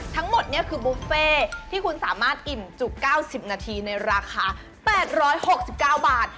ทั้งหมดนี่คือบุฟเฟ่ที่คุณสามารถอิ่มจุก๙๐นาทีในราคา๘๖๙บาท